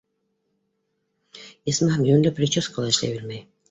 Исмаһам, йүнле прическа ла эшләй белмәй.